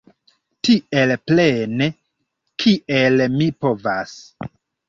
Tiel plene kiel mi povas.